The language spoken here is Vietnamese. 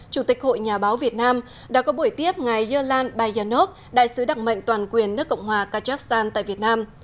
chủ tịch hội nhà báo việt nam đã có buổi tiếp ngày yerlan bayanok đại sứ đặc mệnh toàn quyền nước cộng hòa kazakhstan tại việt nam